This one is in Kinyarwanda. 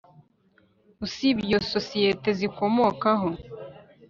usibye iyo sosiyete zikomokaho